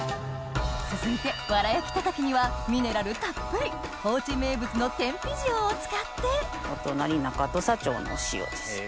続いてわら焼きたたきにはミネラルたっぷり！を使ってお隣中土佐町のお塩です。